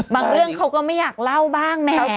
บางเรื่องเขาก็ไม่อยากเล่าบ้างแหม